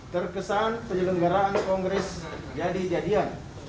terkesan penyelenggaraan kongres jadi jadian